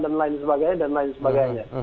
dan lain sebagainya